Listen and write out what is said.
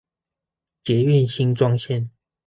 捷運新莊線